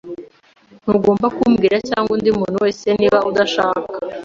Ntugomba kumbwira cyangwa undi muntu wese niba udashaka.